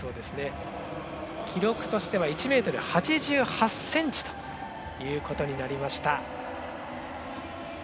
記録としては１ｍ８８ｃｍということになりました。